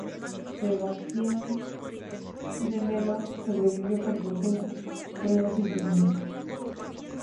Sebastião de Melo sobrevivió por fortuna, pero no se impresionó.